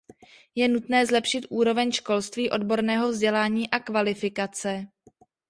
Je nutné zlepšit úroveň školství, odborného vzdělání a kvalifikace.